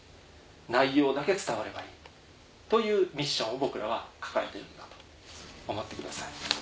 内容だけ伝わればいいというミッションを僕らは抱えているんだと思ってください。